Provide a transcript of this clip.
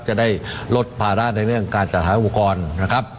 จะได้ลดภาระในเรื่องการจัดหาอุปกรณ์นะครับ